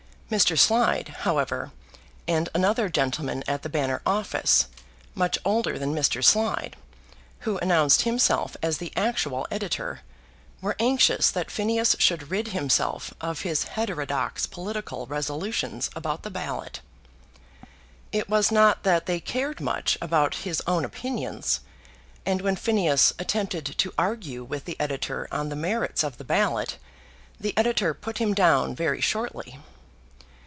Mr. Slide, however, and another gentleman at the Banner office, much older than Mr. Slide, who announced himself as the actual editor, were anxious that Phineas should rid himself of his heterodox political resolutions about the ballot. It was not that they cared much about his own opinions; and when Phineas attempted to argue with the editor on the merits of the ballot, the editor put him down very shortly.